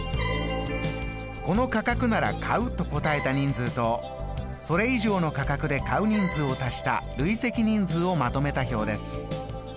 この価格なら買うと答えた人数とそれ以上の価格で買う人数を足した累積人数をまとめた表です。